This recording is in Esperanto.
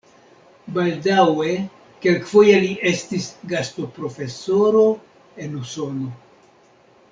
Baldaŭe kelkfoje li estis gastoprofesoro en Usono.